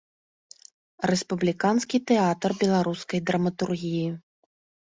Рэспубліканскі тэатр беларускай драматургіі.